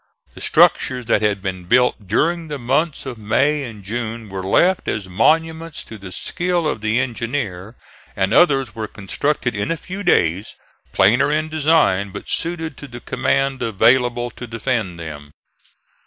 The structures that had been built during the months of May and June were left as monuments to the skill of the engineer, and others were constructed in a few days, plainer in design but suited to the command available to defend them.